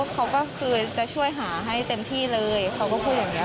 เขาก็คือจะช่วยหาให้เต็มที่เลยเขาก็พูดอย่างนี้